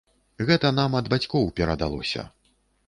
Гэта нам ад бацькоў перадалося.